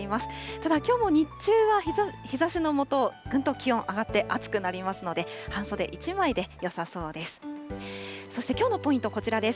ただ、きょうも日中は日ざしの下、ぐんと気温上がって、暑くなりますので、半袖１枚でよさそうです。